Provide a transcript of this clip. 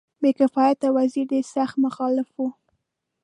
بې کفایته وزیر ډېر سخت مخالف وو.